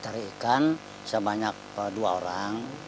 tari ikan sebanyak dua orang